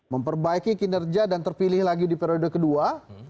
memperbaiki kinerja dan terpilih lagi di periode kedua